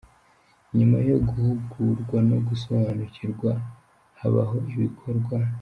Nyuma yo guhugurwa no gusobanukirwaho, habahoibikorwa.